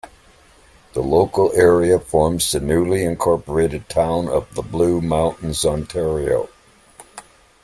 The local area forms the newly incorporated town of The Blue Mountains, Ontario.